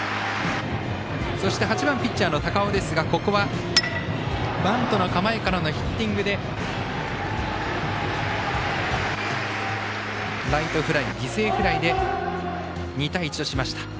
８番ピッチャーの高尾ですがここはバントの構えからのヒッティングでライトフライ犠牲フライで２対１としました。